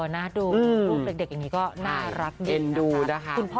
น่ะดูอืมลูกเด็กอย่างงี้ก็น่ารักเย็นดูนะคะคุณพ่อ